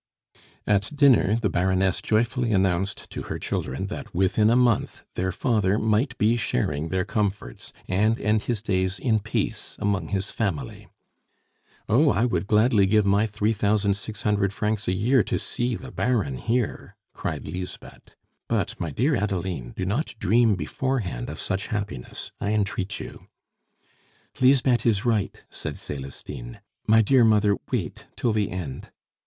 At dinner the Baroness joyfully announced to her children that within a month their father might be sharing their comforts, and end his days in peace among his family. "Oh, I would gladly give my three thousand six hundred francs a year to see the Baron here!" cried Lisbeth. "But, my dear Adeline, do not dream beforehand of such happiness, I entreat you!" "Lisbeth is right," said Celestine. "My dear mother, wait till the end."